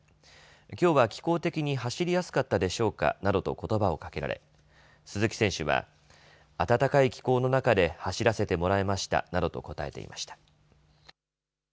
きょうは気候的に走りやすかったでしょうかなどとことばをかけられ鈴木選手は暖かい気候の中で走らせてもらえましたなどと答えていました。